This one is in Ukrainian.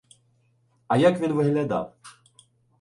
— А як він виглядав?